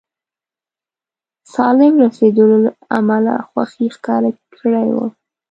سالم رسېدلو له امله خوښي ښکاره کړې وه.